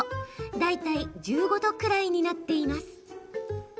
大体１５度くらいになっています。